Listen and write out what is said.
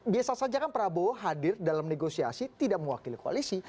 biasa saja kan prabowo hadir dalam negosiasi tidak mewakili koalisi